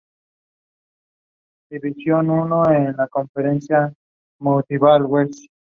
Para apoyar el álbum, la banda emprendió dos giras del Reino Unido.